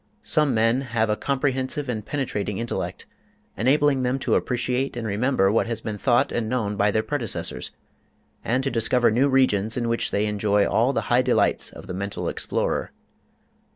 Some men have a comprehensive and penetrating intellect, enabling them to appreciate and remember what has been thought and known by their predecessors, and to discover new regions in which they enjoy all the high delights of the mental explorer.